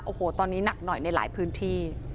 โอ้โหตอนนี้หนักหน่อยในหลายพื้นที่